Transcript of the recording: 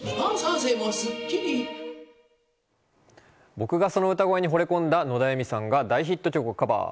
僕がその歌声に惚れ込んだ野田愛実さんが大ヒット曲をカバー。